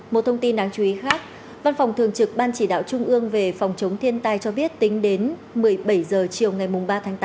một thông tin đáng chú ý khác văn phòng thường trực ban chỉ đạo trung ương về phòng chống thiên tai cho biết tính đến một mươi bảy h chiều ngày ba tháng tám